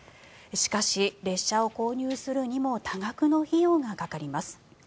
しかし、列車を購入するにも多額の費用がかかります。